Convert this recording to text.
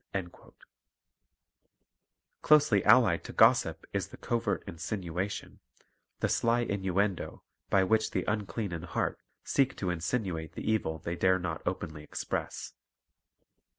4 Closely allied to gossip is the covert insinuation, the sly innuendo, by which the unclean in heart seek to insinuate the evil they dare not openly express.